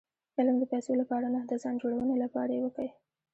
علم د پېسو له پاره نه؛ د ځان جوړوني له پاره ئې وکئ!